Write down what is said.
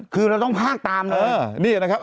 คือเราต้องพากตามตามนึงค่ะ